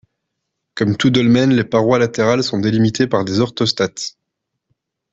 Comme tout dolmen, les parois latérales sont délimitées par des orthostates.